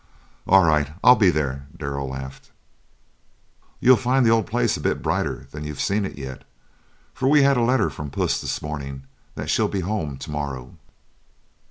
"All right; I'll be there," Darrell laughed. "You'll find the old place a bit brighter than you've seen it yet, for we had a letter from Puss this morning that she'll be home to morrow."